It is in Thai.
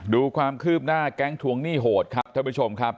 ดูความคืบหน้าแก๊งทวงหนี้โหดครับท่านผู้ชมครับ